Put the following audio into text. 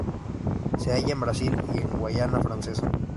Se halla en Brasil y en Guyana Francesa.